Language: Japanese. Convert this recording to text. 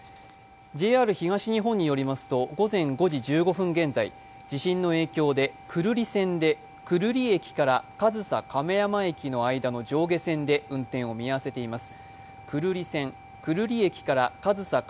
ＪＲ東日本によりますと、午前５時１５分現在地震の影響で久留里線で久留里駅から上総亀山駅の間の上下線で運転を見合わせています。